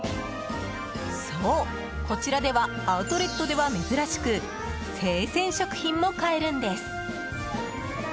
そう、こちらではアウトレットでは珍しく生鮮食品も買えるんです。